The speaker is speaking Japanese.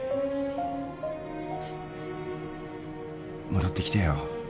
戻ってきてよ。